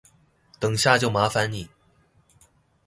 等下就麻煩你